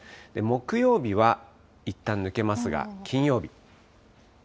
木曜日はいったん抜けますが、金曜日。